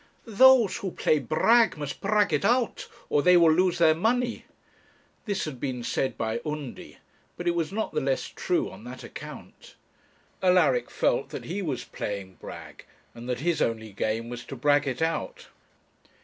'Those who play brag must brag it out, or they will lose their money.' This had been said by Undy; but it was not the less true on that account. Alaric felt that he was playing brag, and that his only game was to brag it out.